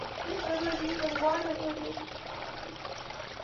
This river is used as a water and irrigation supply.